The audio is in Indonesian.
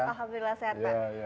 alhamdulillah sehat pak